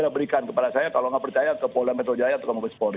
berikan kepada saya kalau nggak percaya ke polda metro jaya atau ke mabes polri